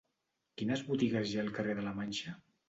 Quines botigues hi ha al carrer de la Manxa?